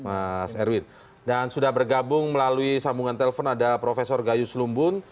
mas erwin dan sudah bergabung melalui sambungan telpon ada prof gayus lumbun